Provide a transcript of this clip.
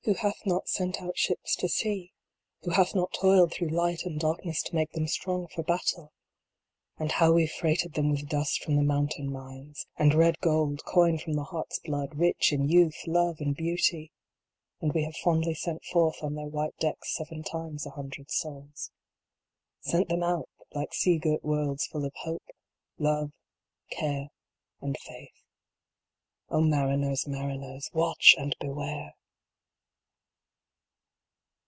th not sent out ships to sea ? Who hath not toiled through light and dark ness to make them strong for battle ? And how we freighted them with dust from the mountain mines ! And red gold, coined from the heart s blood, rich in Youth, Love and Beauty ! And we have fondly sent forth on their white decks seven times a hundred souls. Sent them out like sea girt worlds full of hope, love, care, and faith. O mariners, mariners, watch and beware